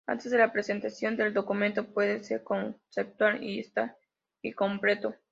Antes de la presentación, el documento puede ser conceptual y estar incompleto.